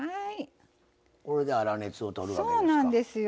これで粗熱を取るわけですか。